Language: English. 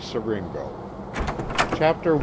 SIRINGO. CHAPTER I.